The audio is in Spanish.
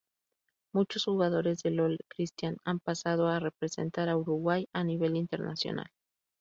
Muchos jugadores del Old Christians han pasado a representar a Uruguay a nivel internacional.